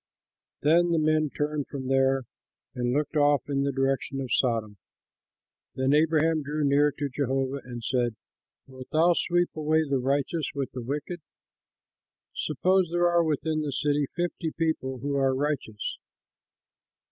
Then the men turned from there and looked off in the direction of Sodom. Then Abraham drew near to Jehovah and said, "Wilt thou sweep away the righteous with the wicked? Suppose there are within the city fifty people who are righteous.